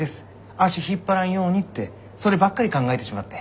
足引っ張らんようにってそればっかり考えてしまって。